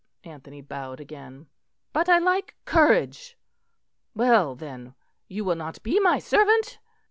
Anthony bowed again. "But I like courage. Well, then, you will not be my servant?"